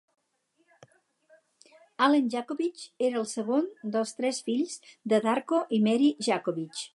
Allen Jakovich era el segon dels tres fills de Darko i Mary Jakovich.